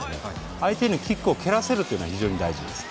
相手にキックを蹴らせるというのは非常に大事です。